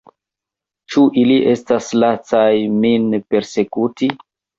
Ĉu ili estas lacaj, min persekuti?